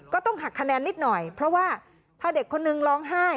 ก็ต้องหักคะแนนนิดหน่อยเพราะว่าพอเด็กคนนึงร้องไห้